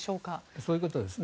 そういうことですね。